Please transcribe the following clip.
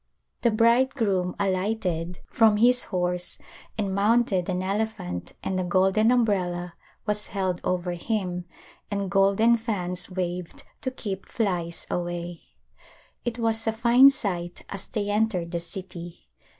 The bridegroom alighted A Glimpse of India from his horse and mounted an elephant and a golden umbrella was held over him and golden fans waved to keep flies away. It was a fine sight as they entered the city.